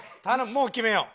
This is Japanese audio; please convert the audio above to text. もう決めよう。